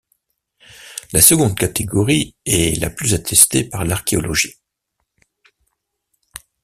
La seconde catégorie est la plus attestée par l'archéologie.